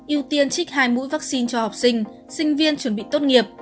ưu tiên trích hai mũi vaccine cho học sinh sinh viên chuẩn bị tốt nghiệp